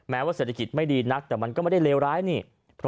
ว่าเศรษฐกิจไม่ดีนักแต่มันก็ไม่ได้เลวร้ายนี่